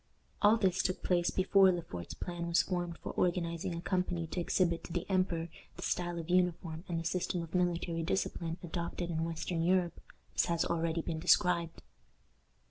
All this took place before Le Fort's plan was formed for organizing a company to exhibit to the emperor the style of uniform and the system of military discipline adopted in western Europe, as has already been described.